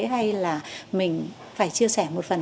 hay là mình phải chia sẻ một phần